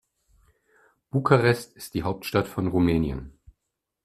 Bukarest ist die Hauptstadt von Rumänien.